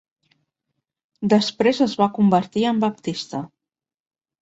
Després es va convertir en baptista.